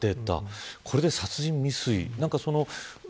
これで殺人未遂。